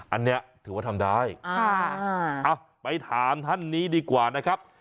อันนี้ถือว่าทำได้ไปถามท่านนี้ดีกว่านะครับ